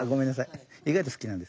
意外と好きなんです。